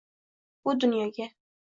Bu dunyoga